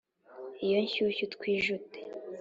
iyo nshyushyu twijute.